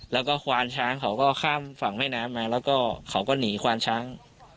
แล้วก็ควานช้างเขาก็ข้ามฝั่งแม่น้ำมาแล้วก็เขาก็หนีควานช้าง